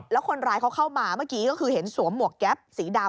แล้วคนร้ายเขาเข้ามาเมื่อกี้ก็คือเห็นสวมหมวกแก๊ปสีดำ